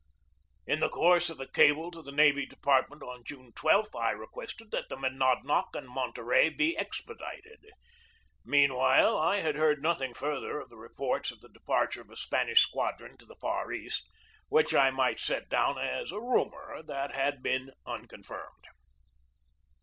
In the course of a cable to the navy department on June 12 I requested that the Monadnock and Monterey be expedited. Meanwhile, I had heard nothing further of the reports of the departure of a Spanish squadron to the Far East, which I might set down as a rumor that had been unconfirmed.